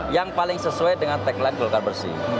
yang paling sesuai dengan tagline golkar bersih